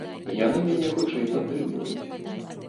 Яны мяне хутчэй падтрымліваюць.